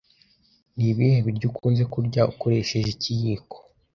Ni ibihe biryo ukunze kurya ukoresheje ikiyiko?